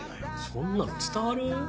そんなの伝わる？